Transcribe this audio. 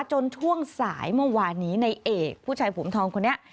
ช่วงสายเมื่อวานนี้ในเอกผู้ชายผมทองคนนี้